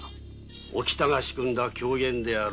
おきたが仕組んだ狂言であろう。